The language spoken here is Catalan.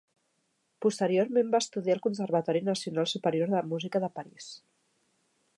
Posteriorment va estudiar al Conservatori Nacional Superior de Música de París.